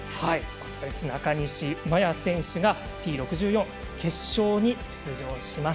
中西麻耶選手がＴ６４決勝に出場します。